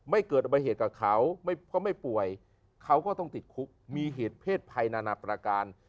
เกิดอุบัติเหตุกับเขาก็ไม่ป่วยเขาก็ต้องติดคุกมีเหตุเพศภัยนานาประการ